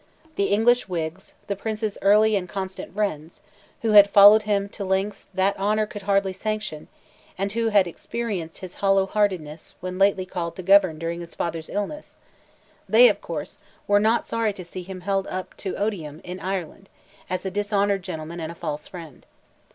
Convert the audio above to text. The English Whigs, the Prince's early and constant friends, who had followed him to lengths that honour could hardly sanction, and who had experienced his hollow heartedness when lately called to govern during his father's illness; they, of course, were not sorry to see him held up to odium in Ireland, as a dishonoured gentleman and a false friend.